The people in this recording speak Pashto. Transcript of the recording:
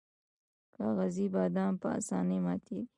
کاغذي بادام په اسانۍ ماتیږي.